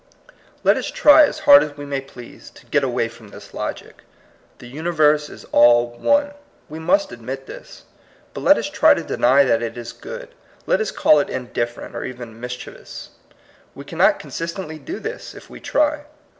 « Let us try, as hard as we may please, to get away from this logic. The universe is all one; we must admit this. But let us try to deny that it is good. Let us call it indifferent, or even mischievous. We can not consistently do this, if we try.